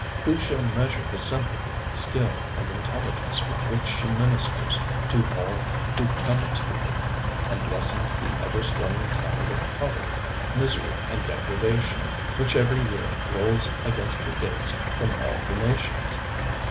Who shall measure the sympathy, skill and intelligence with which she ministers to all who come to her, and lessens the ever swelling tide of poverty, misery and degradation which every year rolls against her gates from all the nations?